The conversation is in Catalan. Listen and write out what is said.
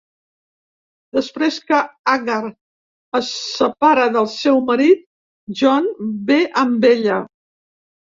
Després que Agar es separa del seu marit, John ve amb ella.